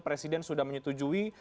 presiden sudah menyetujui